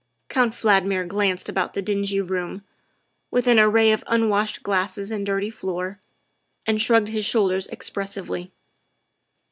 '' Count Valdmir glanced about the dingy room, with its array of unwashed glasses and dirty floor, and shrugged his shoulders expressively.